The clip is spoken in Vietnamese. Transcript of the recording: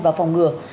và phòng ngừa